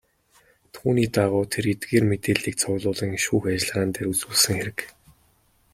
Түүний дагуу тэр эдгээр мэдээллийг цуглуулан шүүх ажиллагаан дээр үзүүлсэн хэрэг.